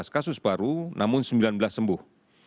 tujuh belas kasus baru namun sembilan belas sembuh